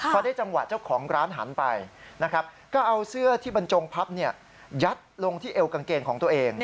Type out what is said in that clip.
พอได้จังหวะเจ้าของร้านหันไปนะครับก็เอาเสื้อที่บรรจงพับยัดลงที่เอวกางเกงของตัวเอง